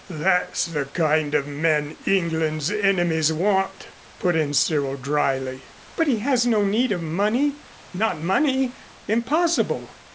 "That's the kind of men England's enemies want," put in Cyril dryly. "But he has no need of money. Not money. Impossible!"